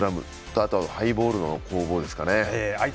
あとはハイボールの攻防ですね。